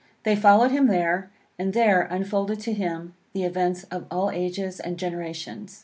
They followed him there, and there unfolded to him the events of all ages and generations.